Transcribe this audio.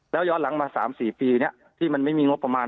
แล้วย้อนหลังมาสามสี่ปีเนี้ยที่มันไม่มีงบประมาณ